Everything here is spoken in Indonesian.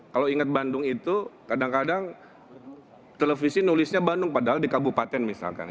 kalau ingat bandung itu kadang kadang televisi nulisnya bandung padahal di kabupaten misalkan